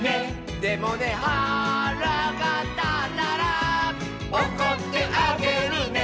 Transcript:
「でもねはらがたったら」「おこってあげるね」